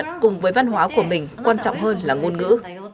đón nhận cùng với văn hóa của mình quan trọng hơn là ngôn ngữ